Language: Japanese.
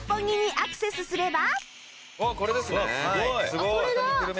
あっこれだ！